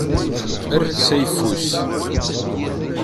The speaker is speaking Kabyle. Err s ayeffus.